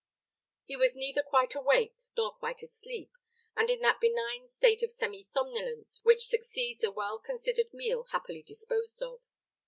He was neither quite awake, nor quite asleep, and in that benign state of semi somnolence which succeeds a well considered meal happily disposed of.